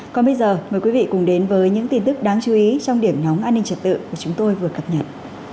còn bây giờ mời quý vị cùng đến với những tin tức đáng chú ý trong điểm nóng an ninh trật tự mà chúng tôi vừa cập nhật